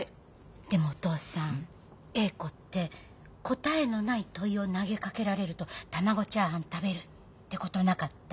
でもお父さん詠子って答えのない問いを投げかけられると卵チャーハン食べるってことなかった？